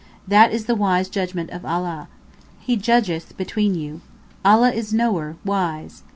That is the judgment of Allah. He judgeth between you. Allah is Knower, Wise.